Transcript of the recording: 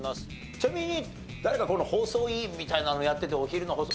ちなみに誰か放送委員みたいなのやっててお昼の放送。